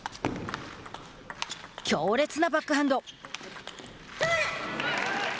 強烈なバックハンド。